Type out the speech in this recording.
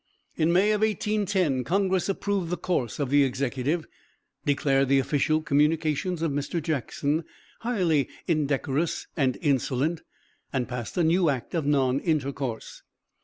In May, 1810, congress approved the course of the executive, declared the official communications of Mr. Jackson highly indecorous and insolent, and passed a new act of non intercourse.